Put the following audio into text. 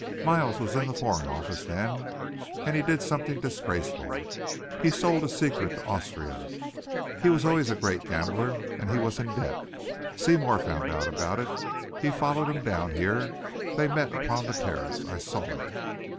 Miles was in the Foreign Office then, and he did something disgraceful. He sold a secret to Austria. He was always a great gambler, and he was in debt. Seymour found out about it. He followed him down here. They met upon the terrace. I I saw it!"